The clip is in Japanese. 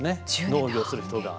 農業する人が。